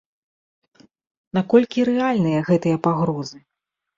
Наколькі рэальныя гэтыя пагрозы?